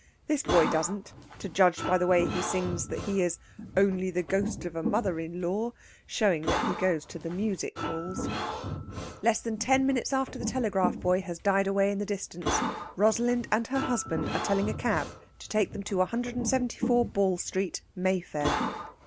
This boy doesn't, to judge by the way he sings that he is "Only the Ghost of a Mother in law," showing that he goes to the music halls. Less than ten minutes after the telegraph boy has died away in the distance Rosalind and her husband are telling a cab to take them to 174, Ball Street, Mayfair.